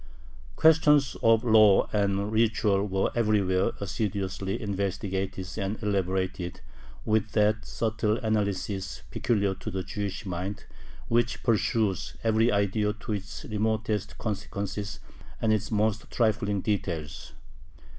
Questions of law and ritual were everywhere assiduously investigated and elaborated, with that subtle analysis peculiar to the Jewish mind, which pursues every idea to its remotest consequences and its most trifling details.